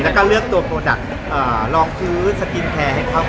แล้วก็เลือกตัวโปรดักซ์รองคือสกินแคร์ให้เท่ากับน้อง